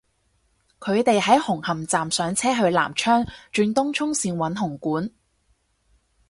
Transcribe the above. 佢哋喺紅磡站上車去南昌轉東涌綫搵紅館